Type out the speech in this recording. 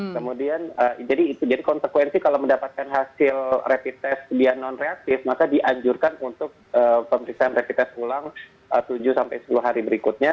kemudian jadi konsekuensi kalau mendapatkan hasil rapid test dia non reaktif maka dianjurkan untuk pemeriksaan rapid test ulang tujuh sepuluh hari berikutnya